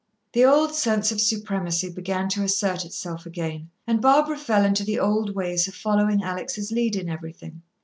The old sense of supremacy began to assert itself again, and Barbara fell into the old ways of following Alex' lead in everything.